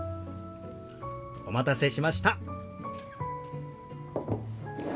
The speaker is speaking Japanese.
お待たせしました。